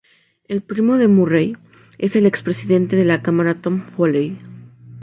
El primo de Murray es el expresidente de la Cámara Tom Foley.